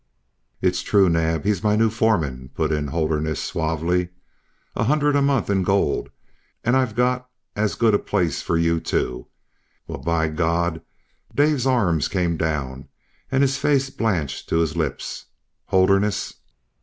"It's true, Naab; he's my new foreman," put in Holderness, suavely. "A hundred a month in gold and I've got as good a place for you." "Well, by G d!" Dave's arms came down and his face blanched to his lips. "Holderness!"